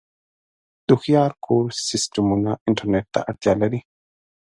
د هوښیار کور سیسټمونه انټرنیټ ته اړتیا لري.